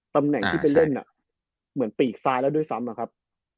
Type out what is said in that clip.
ตำแหน่งที่ไปเล่นเหมือนปีกซ้ายแล้วด้วยซ้ำอะครับ